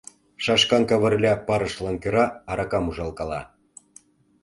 Шашкан Кавырля парышлан кӧра аракам ужалкала.